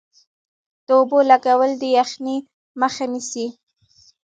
د اوبو لګول د یخنۍ مخه نیسي؟